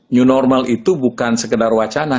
new normal itu bukan sekedar wacana